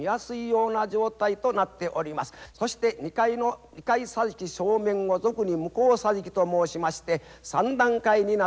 そして２階桟敷正面を俗に向う桟敷と申しまして３段階になっております。